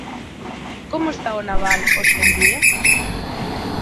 ¿Como está o naval hoxe en día?